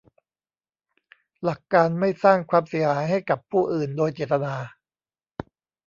หลักการไม่สร้างความเสียหายให้กับผู้อื่นโดยเจตนา